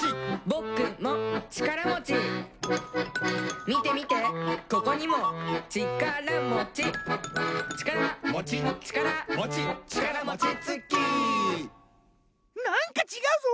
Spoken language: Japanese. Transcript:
「ぼくもちからもち」「みてみてここにもちからもち」「ちから」「もち」「ちから」「もち」「ちからもちつき」なんかちがうぞ！